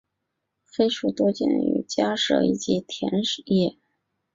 黑鼠多见于家舍以及田野。